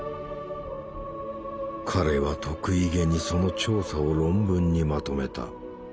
彼は得意げにその調査を論文にまとめた。